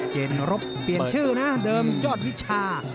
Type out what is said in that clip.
เจนรบเปลี่ยนชื่อนะเดิมยอดวิชา